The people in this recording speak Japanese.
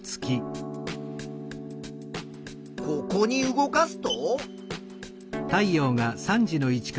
ここに動かすと？